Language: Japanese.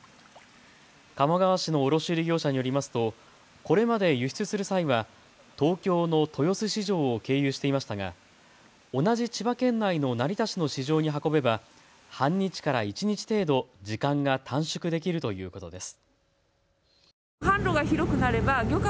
鴨川市の卸売業者によりますとこれまで輸出する際は東京の豊洲市場を経由していましたが同じ千葉県内の成田市の市場に運べば半日から一日程度、時間が短縮できるということです。